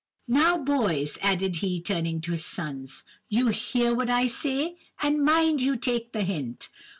Now, boys!' added he, turning to his sons, 'you hear what I say, and mind you take the hint!